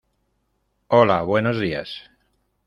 Hola, buenos días.